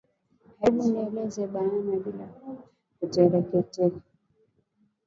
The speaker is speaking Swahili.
Hebu nieleze bayana bila ya kutetereka